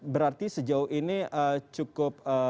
berarti sejauh ini cukup